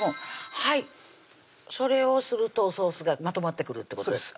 はいそれをするとおソースがまとまってくるってことですか？